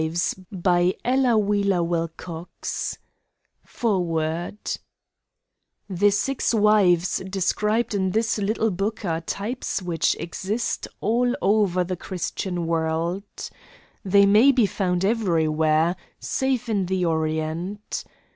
1912 All Rights Reserved FOREWORD The six wives described in this little book are types which exist all over the Christian world. They may be found everywhere, save in the Orient.